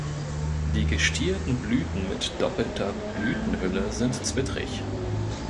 Die gestielten Blüten mit doppelter Blütenhülle sind zwittrig.